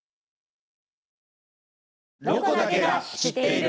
「ロコだけが知っている」。